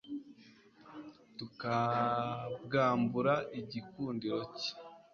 tukambwambura igikundiro cye